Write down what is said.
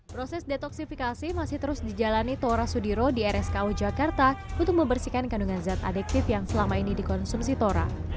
proses detoksifikasi masih terus dijalani tora sudiro di rsko jakarta untuk membersihkan kandungan zat adiktif yang selama ini dikonsumsi tora